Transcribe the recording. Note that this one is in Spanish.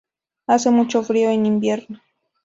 Hace mucho frío en invierno.